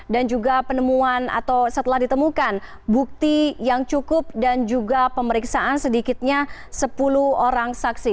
dan juga penemuan atau setelah ditemukan bukti yang cukup dan juga pemeriksaan sedikitnya sepuluh orang saksi